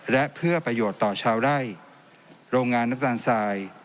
และเพื่อประโยชน์ต่อชาวไร่โรงงานน้ำตาลทราย